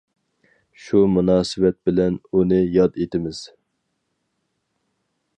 شۇ مۇناسىۋەت بىلەن ئۇنى ياد ئىتىمىز.